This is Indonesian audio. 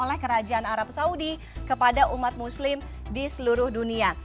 oleh kerajaan arab saudi kepada umat muslim di seluruh dunia